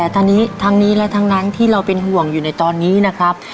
แต่ทั้งนี้ทั้งนี้และทั้งนั้นที่เราเป็นห่วงอยู่ในตอนนี้นะครับ